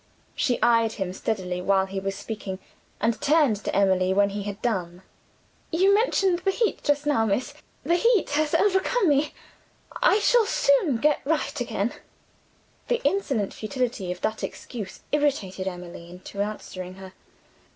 She eyed him steadily while he was speaking and turned to Emily when he had done. "You mentioned the heat just now, miss. The heat has overcome me; I shall soon get right again." The insolent futility of that excuse irritated Emily into answering her.